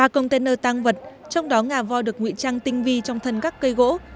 ba container tăng vật trong đó ngà voi được nguy trang tinh vi trong thân các cây gỗ